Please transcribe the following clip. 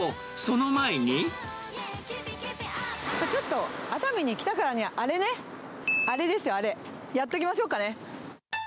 ちょっと、熱海に来たからには、あれね、あれですよ、あれ、やっときましょうかね。